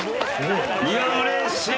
うれしい。